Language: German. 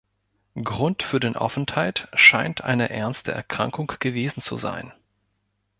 Grund für den Aufenthalt scheint eine ernste Erkrankung gewesen zu sein.